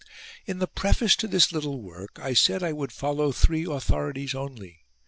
In the preface to this little work I said I would follow three authorities only.